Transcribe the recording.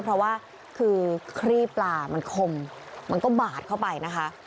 เพราะว่าคือครีบปลามันคมมันก็บาดเข้าไปนะคะ